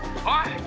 はい。